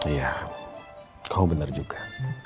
iya kamu benar juga